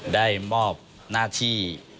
ได้มอบหน้าที่